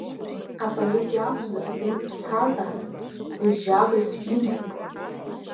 Апоет иакәзар урҭ ԥсҭазаарас, гәыжьжьагас имоуп.